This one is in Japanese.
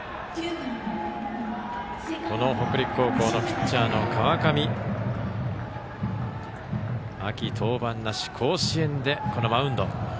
北陸高校のピッチャーの川上は秋登板なし甲子園で、このマウンド。